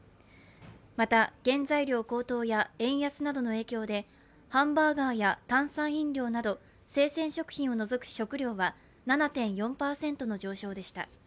また、原材料高騰や円安などの影響でハンバーガーや炭酸飲料など生鮮食品を除く食料は、７．４％の上昇でした。